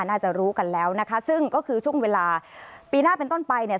น่าจะรู้กันแล้วนะคะซึ่งก็คือช่วงเวลาปีหน้าเป็นต้นไปเนี่ย